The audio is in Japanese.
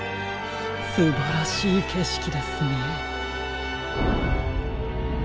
すばらしいけしきですね。